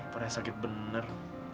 padahal sakit bener